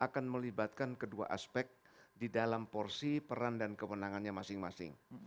akan melibatkan kedua aspek di dalam porsi peran dan kewenangannya masing masing